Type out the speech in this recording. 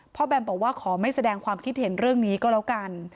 แบมบอกว่าขอไม่แสดงความคิดเห็นเรื่องนี้ก็แล้วกัน